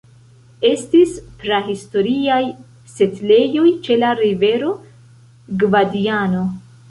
Estis prahistoriaj setlejoj ĉe la rivero Gvadiano.